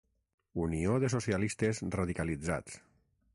Unió de socialistes radicalitzats.